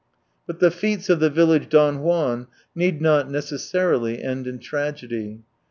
io6 But the feats of the village Don Juan need not necessarily end in tragedy.